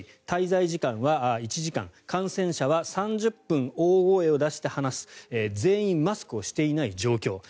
滞在時間は１時間感染者は３０分大声を出して話す全員マスクをしていない状況。